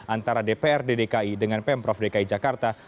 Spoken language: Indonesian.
antara dprd dki dengan pemprov dki jakarta